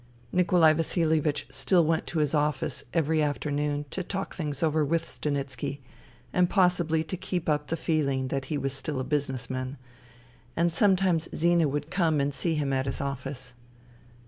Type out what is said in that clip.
Nikolai Vasilievich still went to his office every after noon to talk things over with Stanitski and possibly to keep up the feeling that he was still a business man ; and sometimes Zina would come and see him at his 214 FUTILITY office.